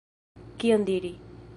Kion diri!